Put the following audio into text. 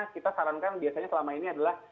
kita sarankan biasanya selama ini adalah